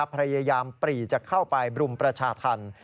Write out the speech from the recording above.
พยายามปรีจะเข้าไปบลุมประชาธรรม